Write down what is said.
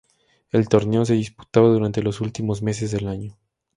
El torneo se disputaba durante los últimos meses del año.